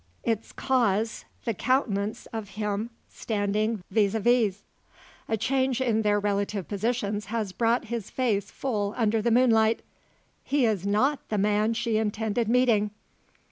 Its cause the countenance of him standing vis a vis. A change in their relative positions has brought his face full under the moonlight. He is not the man she intended meeting!